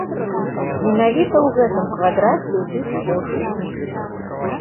Менавіта ў гэтым квадраце ідуць пошукі.